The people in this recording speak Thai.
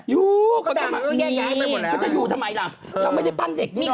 ยู๊นี่ก็จะอยู่ทำไมล่ะชอบไม่ได้ปั้นเด็กนี่เนอะ